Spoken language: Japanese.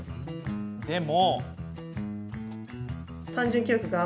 でも。